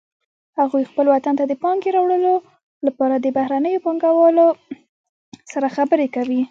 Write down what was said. هغوی خپل وطن ته د پانګې راوړلو لپاره د بهرنیو پانګوالو سره خبرې کوي